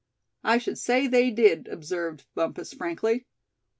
"I should say they did," observed Bumpus, frankly.